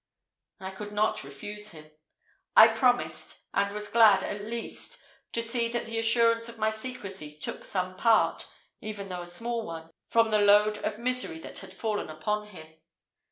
I could not refuse him; I promised and was glad, at least, to see that the assurance of my secrecy took some part, even though a small one, from the load of misery that had fallen upon him.